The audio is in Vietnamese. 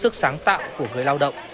sức sáng tạo của người lao động